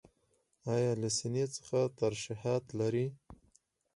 ایا له سینې څخه ترشحات لرئ؟